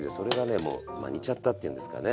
もうまあ似ちゃったっていうんですかね。